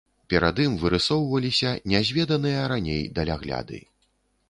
Перад ім вырысоўваліся нязведаныя раней далягляды.